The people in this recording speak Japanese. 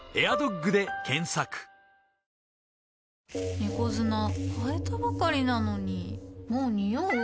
猫砂替えたばかりなのにもうニオう？